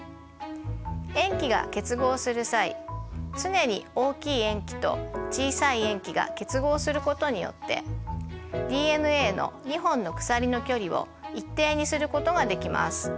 塩基が結合する際常に大きい塩基と小さい塩基が結合することによってＤＮＡの２本の鎖の距離を一定にすることができます。